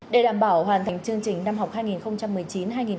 để đảm bảo hoàn thành chương trình năm học hai nghìn một mươi chín hai nghìn hai mươi